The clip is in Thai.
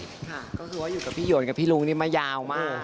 ค่ะก็คือว่าอยู่กับพี่หวนกับพี่ลุงนี่มายาวมาก